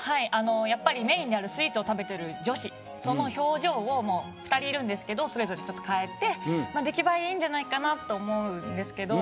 やっぱりメインにあるスイーツを食べてる女子その表情を２人いるんですけどそれぞれちょっと変えて出来栄えいいんじゃないかなと思うんですけど。